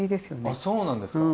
あそうなんですか。